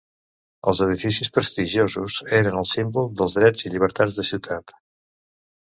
Els edificis prestigiosos eren el símbol dels drets i llibertats de ciutat.